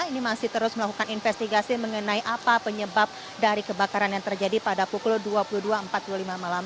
ini masih terus melakukan investigasi mengenai apa penyebab dari kebakaran yang terjadi pada pukul dua puluh dua empat puluh lima malam